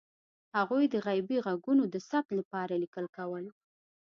هغوی د غیبي غږونو د ثبت لپاره لیکل کول.